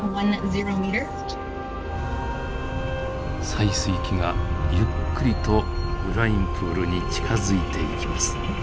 採水器がゆっくりとブラインプールに近づいていきます。